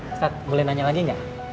ustadz boleh nanya lagi nggak